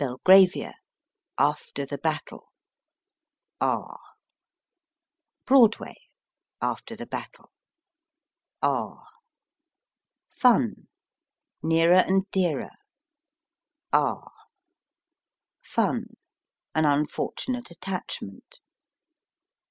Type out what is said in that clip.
R. After the Battle . R. ( After the Battle . R. Nearer and Dearer R. An Unfortunate Attachment